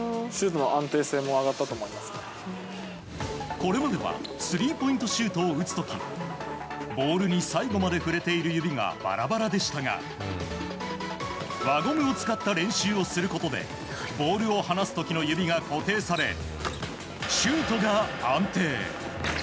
これまではスリーポイントシュートを打つ時ボールに最後まで触れている指がバラバラでしたが輪ゴムを使った練習をすることでボールを放す時の指が固定され、シュートが安定。